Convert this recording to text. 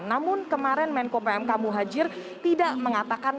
namun kemarin menko pmk muhajir tidak mengatakan